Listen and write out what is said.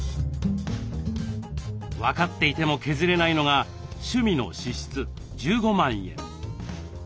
分かっていても削れないのが趣味の支出１５万円。